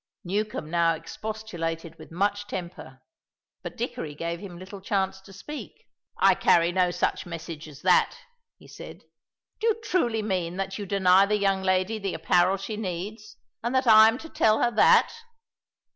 Newcombe now expostulated with much temper, but Dickory gave him little chance to speak. "I carry no such message as that," he said. "Do you truly mean that you deny the young lady the apparel she needs, and that I am to tell her that?"